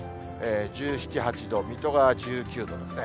１７、８度、水戸が１９度ですね。